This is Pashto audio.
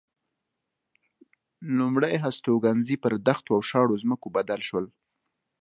لومړ هستوګنځي پر دښتو او شاړو ځمکو بدل شول.